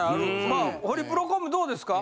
まあホリプロコムどうですか？